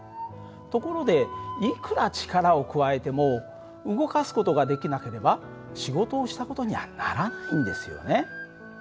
ところでいくら力を加えても動かす事ができなければ仕事をした事にはならないんですよね。